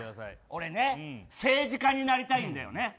俺さ政治家になりたいんだよね。